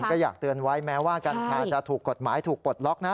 ก็อยากเตือนไว้แม้ว่ากัญชาจะถูกกฎหมายถูกปลดล็อกนะ